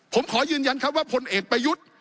ผมขอยืนยันครับว่าพลเอกประยุทธ์